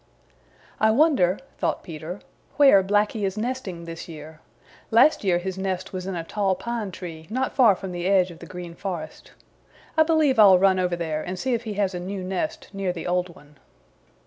"I wonder," thought Peter, "where Blacky is nesting this year. Last year his nest was in a tall pine tree not far from the edge of the Green Forest. I believe I'll run over there and see if he has a new nest near the old one."